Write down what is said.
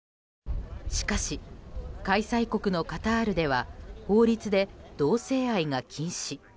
しかし、開催国のカタールでは法律で同性愛が禁止。